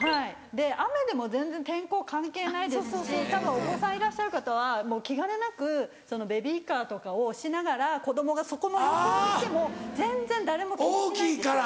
で雨でも全然天候関係ないですしたぶんお子さんいらっしゃる方はもう気兼ねなくベビーカーとかを押しながら子供がそこの横を行っても全然誰も気にしないですよ。大きいから。